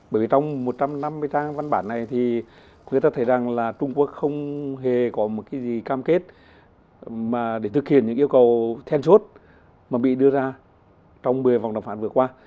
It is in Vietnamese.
bởi vì trong một trăm năm mươi trang văn bản này thì người ta thấy rằng là trung quốc không hề có một cái gì cam kết để thực hiện những yêu cầu then chốt mà bị đưa ra trong một mươi vòng đàm phán vừa qua